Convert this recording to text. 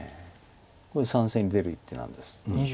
これ３線に出る一手なんです。